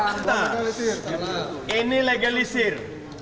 sudah ini legalisir